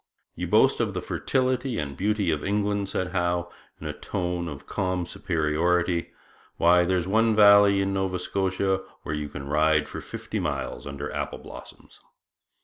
'You boast of the fertility and beauty of England,' said Howe, in a tone of calm superiority; 'why, there's one valley in Nova Scotia where you can ride for fifty miles under apple blossoms.'